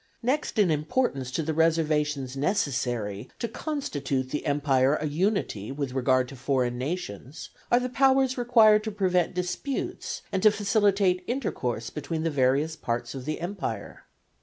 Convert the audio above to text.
Next in importance to the reservations necessary to constitute the Empire a Unity with regard to foreign nations, are the powers required to prevent disputes and to facilitate intercourse between the various parts of the Empire.